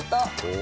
お。